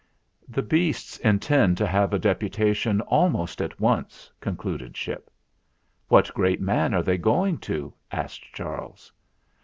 "The beasts intend to have a deputation al most at once," concluded Ship. "What great man are they going to?" asked Charles.